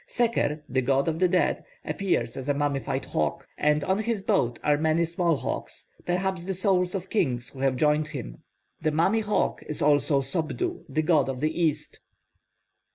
Seker, the god of the dead, appears as a mummified hawk, and on his boat are many small hawks, perhaps the souls of kings who have joined him. The mummy hawk is also Sopdu, the god of the east.